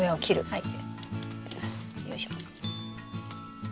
はい。